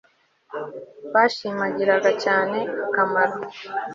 bashimangiraga cyane akamaro